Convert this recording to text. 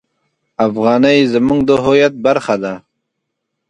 افغانۍ زموږ د هویت برخه ده.